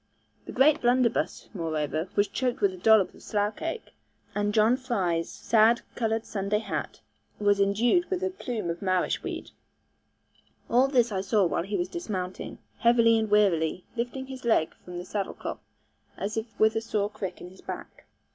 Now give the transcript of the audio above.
The great blunderbuss, moreover, was choked with a dollop of slough cake; and John Fry's sad coloured Sunday hat was indued with a plume of marish weed. All this I saw while he was dismounting, heavily and wearily, lifting his leg from the saddle cloth as if with a sore crick in his back.